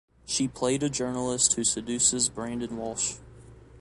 She played a journalist who seduces Brandon Walsh.